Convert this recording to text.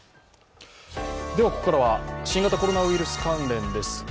ここからは新型コロナウイルス関連です。